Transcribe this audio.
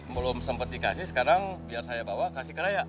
belum sempat dikasih sekarang biar saya bawa kasih ke raya